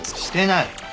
してない。